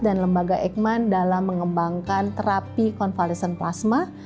dan lembaga ekman dalam mengembangkan terapi konvalesan plasma